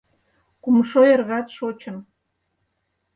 — Кумшо эргат шочын!